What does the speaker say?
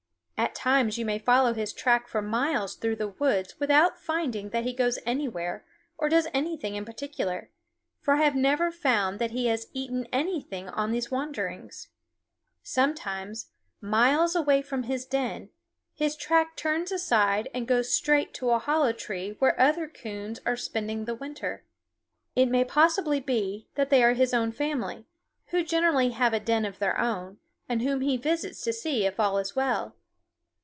At times you may follow his track for miles through the woods without finding that he goes anywhere or does anything in particular, for I have never found that he has eaten anything on these wanderings. Sometimes, miles away from his den, his track turns aside and goes straight to a hollow tree where other coons are spending the winter. It may possibly be that they are his own family, who generally have a den of their own, and whom he visits to see if all is well.